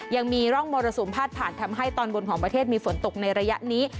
ยังมีร่องมรสุมพาดผ่านทำให้ตอนบนของประเทศมีฝนตกในระยะนี้